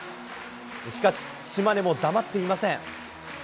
しかし、島根も黙っていません。